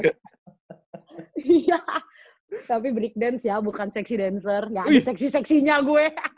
iya tapi break dance ya bukan seksi dancer gak ada seksi seksinya gue